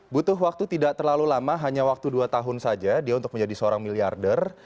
butuh waktu tidak terlalu lama hanya waktu dua tahun saja dia untuk menjadi seorang miliarder